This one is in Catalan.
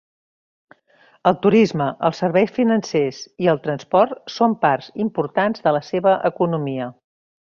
El turisme, els serveis financers i el transport són parts importants de la seva economia.